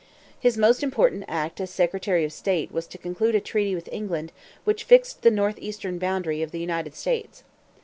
His most important act as secretary of state was to conclude a treaty with England which fixed the northeastern boundary of the United States.